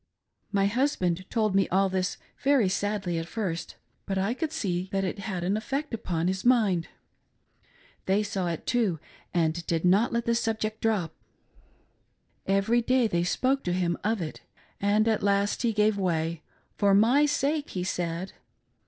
My husband told me all this Very sadly at first, but I could see that it had an effect upon his mind. They saw it, too, and did not let the subject drop. Every day they spoke to him otf it, and at last he gave way — for my sake, he said!